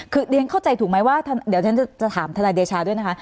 คือเรียนเข้าใจถูกไหมว่าเดี๋ยวฉันจะถามทนายเดชาด้วยนะคะ